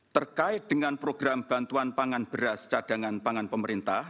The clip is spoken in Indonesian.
terkait dengan program bantuan pangan beras cadangan pangan pemerintah